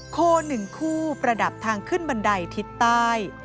โค๑คู่ประดับทางขึ้นบันไดทิศใต้